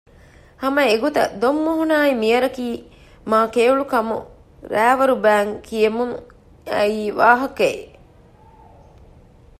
ހަމަ އެގޮތަށް ދޮންމޮހޮނާއި މިޔަރަކީ މާކެޔޮޅުކަމު ރައިވަރު ބައިން ކިޔެމުން އައީ ވާހަކައެއް